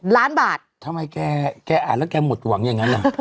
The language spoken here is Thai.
ล้านบาททำไมแกอ่านแล้วแกหมดหวังอย่างนั้นล่ะ